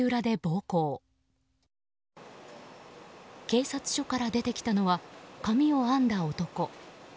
警察署から出てきたのは髪を編んだ男。